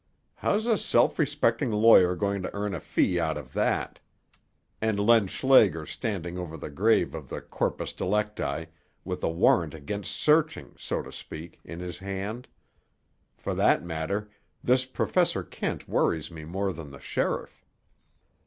"How's a self respecting lawyer going to earn a fee out of that? And Len Schlager standing over the grave of the corpus delicti with a warrant against searching, so to speak, in his hand. For that matter, this Professor Kent worries me more than the sheriff."